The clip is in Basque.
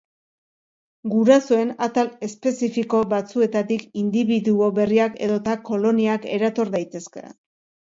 Gurasoen atal espezifiko batzuetatik indibiduo berriak edota koloniak erator daitezke.